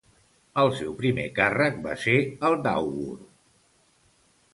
El seu primer càrrec va ser el d'àugur.